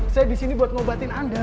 saya disini buat ngobatin anda